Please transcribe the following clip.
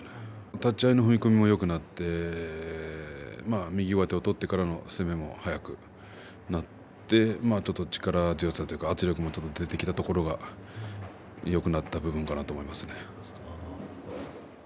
立ち合いの踏み込みもよくなって右上手を取ってからの攻めもよくなってちょっと力強さというか圧力も出てきたところがよくなった部分かなと思いますね。